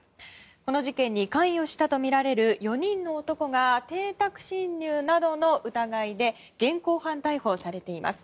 この事件に関与したとみられる４人の男が邸宅侵入などの疑いで現行犯逮捕されています。